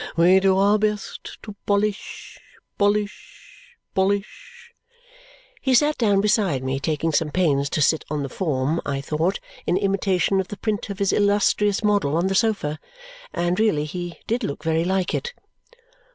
We do our best to polish polish polish!" He sat down beside me, taking some pains to sit on the form, I thought, in imitation of the print of his illustrious model on the sofa. And really he did look very like it.